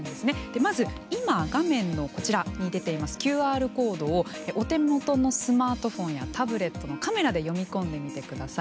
まず今、画面に出ているＱＲコードをお手元のスマートフォンやタブレットのカメラで読み込んでみてください。